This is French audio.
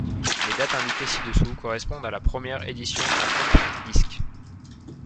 Les dates indiquées ci-dessous correspondent à la première édition en Compact Disc.